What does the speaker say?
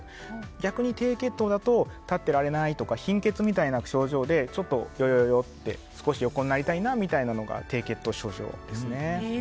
逆に低血糖だと立ってられないとか貧血みたいな症状で少し横になりたいなみたいなのが低血糖症状です。